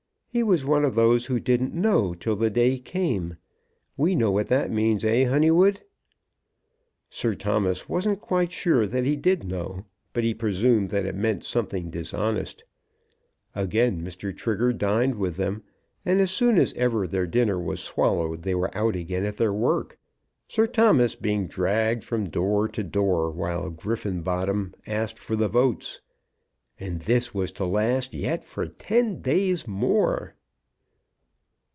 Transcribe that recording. He was one of those who didn't know till the day came. We know what that means; eh, Honeywood?" Sir Thomas wasn't quite sure that he did know; but he presumed that it meant something dishonest. Again Mr. Trigger dined with them, and as soon as ever their dinner was swallowed they were out again at their work, Sir Thomas being dragged from door to door, while Griffenbottom asked for the votes. And this was to last yet for ten days more!